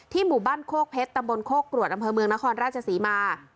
หมู่บ้านโคกเพชรตำบลโคกรวดอำเภอเมืองนครราชศรีมา